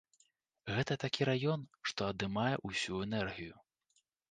Гэта такі раён, што адымае ўсю энергію.